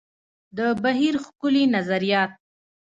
د بهیر ښکلي نظریات.